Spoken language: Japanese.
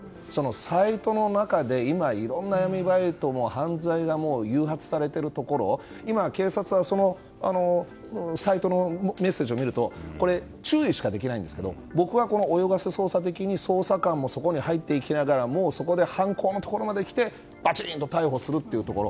サイトの中でいろんな闇バイトの犯罪が誘発されているところを今、警察はそのサイトのメッセージを見ると注意しかできないんですが僕は泳がせ捜査的に捜査官もそこに入っていきながらそこで犯行のところまで来てバチンと逮捕するというところ。